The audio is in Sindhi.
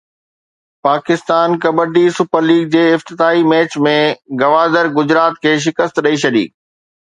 پاڪستان ڪبڊي سپر ليگ جي افتتاحي ميچ ۾ گوادر گجرات کي شڪست ڏئي ڇڏي